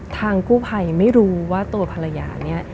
ทางกู้ไพรไม่รู้ว่าตัวภรรยานี้